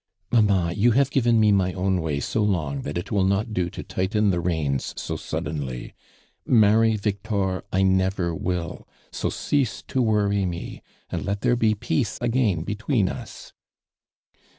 ^[annna, you have given me my own way so long that it will not do to tighten tlv.; reins s» suddenly. Many Victor 1 nt vcr will, so cease to worry mo, and let there l»« peace again between us."